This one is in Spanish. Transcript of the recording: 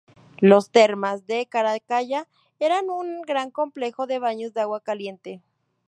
Las Termas de Caracalla eran un gran complejo de baños de agua caliente.